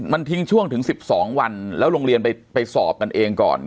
มันทิ้งช่วงถึง๑๒วันแล้วโรงเรียนไปสอบกันเองก่อน